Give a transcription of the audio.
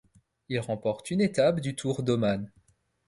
Il remporte une étape du Tour d'Oman.